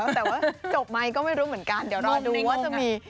แต่ว่าจบไหมก็ไม่รู้เหมือนกันเดี๋ยวรอดูว่าจะมี